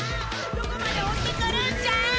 どこまで追ってくるんじゃ！？